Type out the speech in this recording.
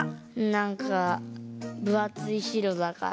なんかぶあついしろだから。